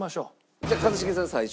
じゃあ一茂さん最初。